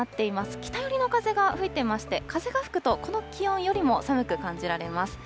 北寄りの風が吹いてまして、風が吹くと、この気温よりも寒く感じられます。